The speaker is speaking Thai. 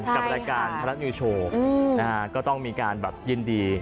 กับรายการธรรมดีโชว์ก็ต้องมีการแบบยินดี